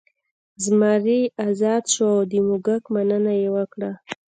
زمری ازاد شو او د موږک مننه یې وکړه.